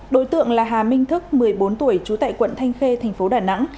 đối tượng là hà minh thức một mươi bốn tuổi trú tại quận thanh khê thành phố đà nẵng